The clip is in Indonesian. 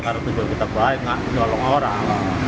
karena itu begitu baik nggak nolong orang